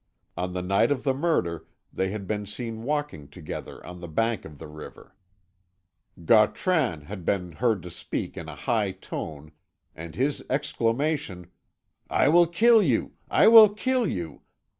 On the night of the murder they had been seen walking together on the bank of the river; Gautran had been heard to speak in a high tone, and his exclamation, "I will kill you! I will kill you!"